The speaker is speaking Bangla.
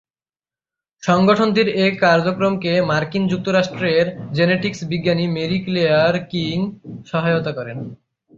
সংগঠনটির এ কার্যক্রমকে মার্কিন যুক্তরাষ্ট্রের জেনেটিক্স বিজ্ঞানী মেরি-ক্লেয়ার কিং সহায়তা করেন।